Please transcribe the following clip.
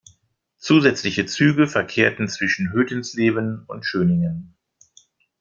Zusätzliche Züge verkehrten zwischen Hötensleben und Schöningen.